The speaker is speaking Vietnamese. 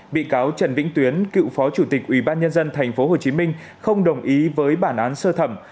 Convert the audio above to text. bị cáo trần vĩnh tuyến cựu phó chủ tịch ủy ban nhân dân tp hcm không đồng ý với bản án sơ thẩm